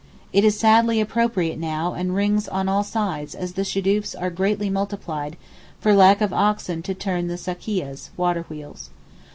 It is sadly appropriate now and rings on all sides as the shadoofs are greatly multiplied for lack of oxen to turn the sakiahs (waterwheels).